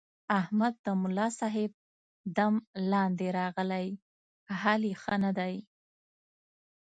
احمد د ملاصاحب دم لاندې راغلی، حال یې ښه نه دی.